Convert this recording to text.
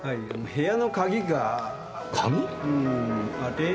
部屋の鍵が何？